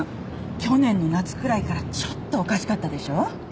去年の夏くらいからちょっとおかしかったでしょ？